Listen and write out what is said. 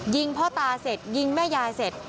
ยิงพ่อตาเสร็จยิงแม่ยายเสร็จ